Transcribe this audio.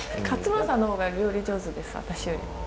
勝村さんの方が料理上手です私より。